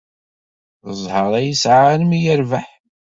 D zzheṛ ay yesɛa armi ay yerbeḥ.